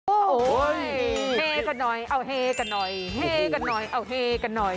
โอ้โฮ้เฮกกะหน่อยเฮกกะหน่อยเฮกกะหน่อยโอ้เฮกกะหน่อย